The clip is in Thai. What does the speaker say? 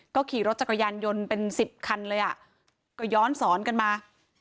ก็ขี่รถจักรยานยนต์เป็นสิบคันเลยอ่ะก็ย้อนสอนกันมา